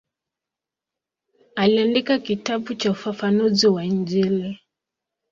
Aliandika kitabu cha ufafanuzi wa Injili.